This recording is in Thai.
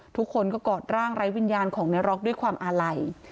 ทุกคนก็กอดร่างไร้วิญญาณของในร็อกด้วยความอาลัย